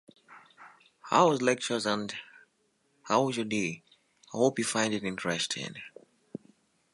Jelinek competed as a pair skater with his sister, Maria.